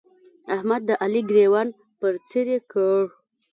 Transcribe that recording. احمد د علي ګرېوان پر څيرې کړ.